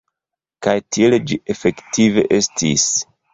Kaj tiel ĝi efektive estis.